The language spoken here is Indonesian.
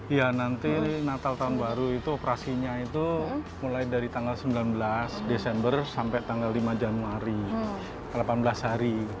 ya nanti natal tahun baru itu operasinya itu mulai dari tanggal sembilan belas desember sampai tanggal lima januari delapan belas hari